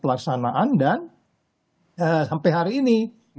pelaksanaan dan sampai hari ini